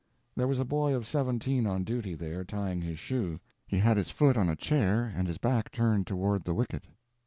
There was a boy of seventeen on duty there, tying his shoe. He had his foot on a chair and his back turned toward the wicket.